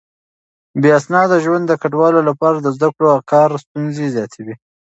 بې اسناده ژوند د کډوالو لپاره د زده کړو او کار ستونزې زياتوي.